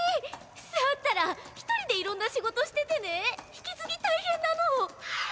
サーったら１人で色んな仕事しててねぇ引き継ぎ大変なの！